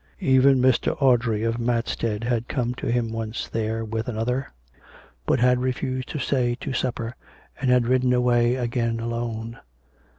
Even Mr. Audrey, of Matstead, had come to him once there, with another, but had refused to stay to supper, and had ridden away again alone.